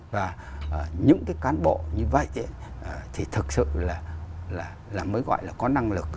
và những cái cán bộ như vậy thì thực sự là mới gọi là có năng lực